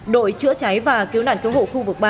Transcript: đội chữa cháy và cứu nạn cứu hộ khu vực ba